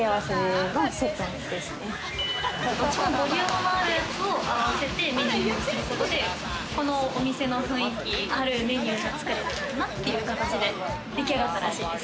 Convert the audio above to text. ボリュームのあるやつを合わせてこのお店の雰囲気あるメニューが作れてるなっていう形で出来上がったらしいです。